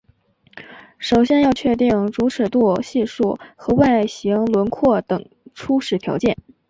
首先要确定主尺度系数和外形轮廓等初始条件。